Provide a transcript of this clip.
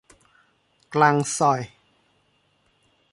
กลางซอย